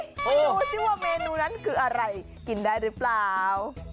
ดูสิว่าเมนูนั้นคืออะไรกินได้หรือเปล่า